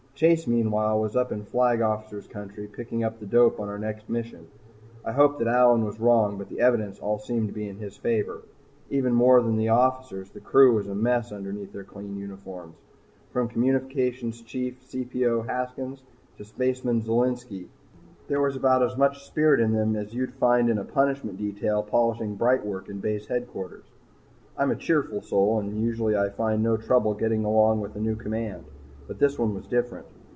Chase, meanwhile, was up in Flag Officer's Country picking up the dope on our next mission. I hoped that Allyn was wrong but the evidence all seemed to be in his favor. Even more than the officers, the crew was a mess underneath their clean uniforms. From Communications Chief CPO Haskins to Spaceman Zelinski there was about as much spirit in them as you'd find in a punishment detail polishing brightwork in Base Headquarters. I'm a cheerful soul, and usually I find no trouble getting along with a new command, but this one was different.